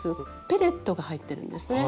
ペレットが入ってるんですね。